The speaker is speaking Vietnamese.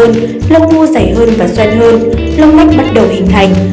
ở trẻ nữ lông vú dày hơn và xoan hơn lông mắt bắt đầu hình thành